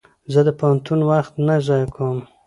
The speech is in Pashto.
زه د پوهنتون وخت نه ضایع کوم.